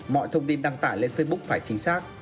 mọi thông tin đăng tải lên facebook phải chính xác